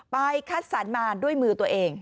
คัดสรรมาด้วยมือตัวเอง